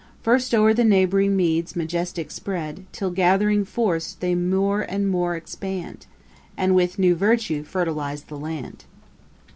First o'er the neighbouring meads majestick spread; Till gathering force, they more and more expand. And with new virtue fertilise the land.'